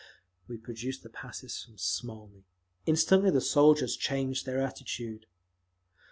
We produced the passes from Smolny; instantly the soldiers changed their attitude.